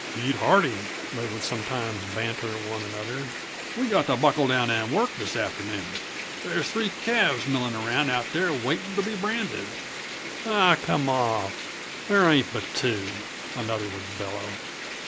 "Eat hearty," they would sometimes banter one another. "We got to buckle down and work this afternoon. They's three calves milling around out there waiting to be branded!" "Aw, come off! There ain't but two," another would bellow.